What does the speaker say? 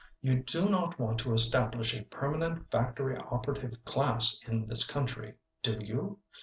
You do not want to establish a permanent factory operative class in this country, do you?